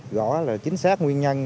rõ là chính xác nguyên nhân